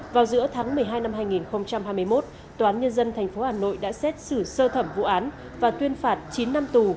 vào giữa tháng một mươi hai năm hai nghìn hai mươi một tòa án nhân dân tp hà nội đã xét xử sơ thẩm vụ án và tuyên phạt chín năm tù